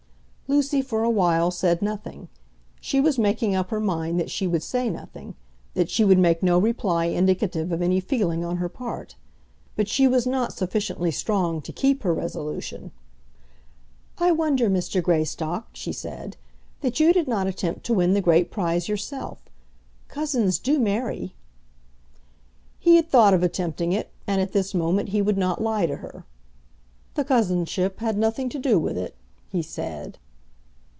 Lucy for a while said nothing. She was making up her mind that she would say nothing; that she would make no reply indicative of any feeling on her part. But she was not sufficiently strong to keep her resolution. "I wonder, Mr. Greystock," she said, "that you did not attempt to win the great prize yourself. Cousins do marry." He had thought of attempting it, and at this moment he would not lie to her. "The cousinship had nothing to do with it," he said.